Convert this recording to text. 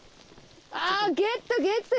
あゲットゲット！